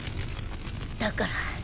だから。